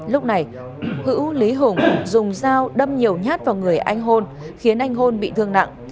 lúc này hữu lý hùng dùng dao đâm nhiều nhát vào người anh hôn khiến anh hôn bị thương nặng